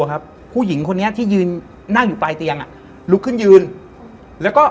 เกรงเกรงเสียงนี้